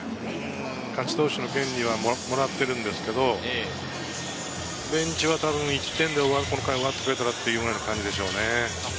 勝ち投手の権利はもらっているんですけれど、ベンチは多分１点で、この回終わってくれたらという感じでしょうね。